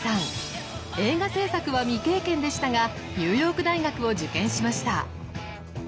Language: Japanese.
映画制作は未経験でしたがニューヨーク大学を受験しました。